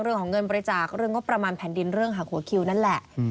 เรื่องของเงินบริจาคเรื่องงบประมาณแผ่นดินเรื่องหักหัวคิวนั่นแหละ